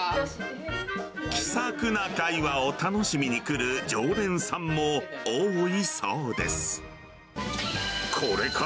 気さくな会話を楽しみに来る常連さんも多いそうです。